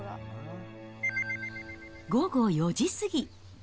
午後４時過ぎ。